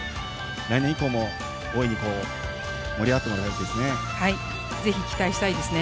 来年以降も大いに盛り上がってほしいですね。